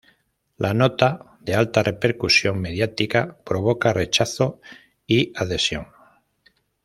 La nota, de alta repercusión mediática, provoca rechazo y adhesión.